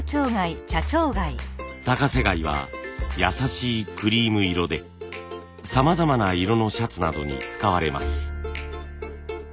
高瀬貝はやさしいクリーム色でさまざまな色のシャツなどに使われます。